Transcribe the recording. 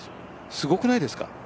すごくないですか？